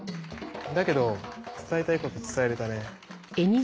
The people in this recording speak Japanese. だけど伝えたいこと伝えられたね。